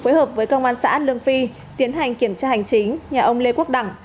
phối hợp với công an xã lương phi tiến hành kiểm tra hành chính nhà ông lê quốc đẳng